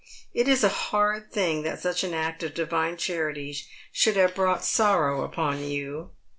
It is a hard thing that such an act of divine charity should have brought sorrow upon you.